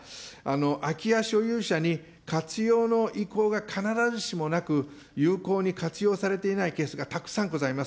空き家所有者に活用の意向が必ずしもなく、有効に活用されていないケースもたくさんございます。